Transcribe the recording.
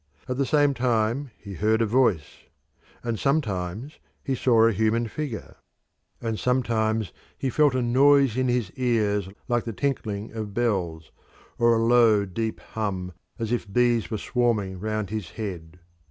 At the same time he heard a Voice; and sometimes he saw a human figure; and sometimes he felt a noise in his ears like the tinkling of bells, or a low, deep hum as if bees were swarming round his head.